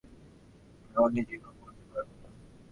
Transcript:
ওহ, আমি কখনই নিজেকে ক্ষমা করতে পারবোনা।